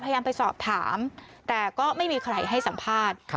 พยายามไปสอบถามแต่ก็ไม่มีใครให้สัมภาษณ์